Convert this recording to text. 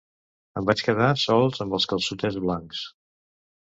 Em vaig quedar sols amb els calçotets blancs.